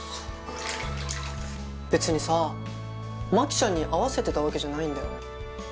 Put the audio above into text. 別にさマキちゃんに合わせてたわけじゃないんだよ。